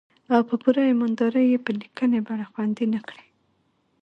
او په پوره ايمان دارۍ يې په ليکني بنه خوندي نه کړي.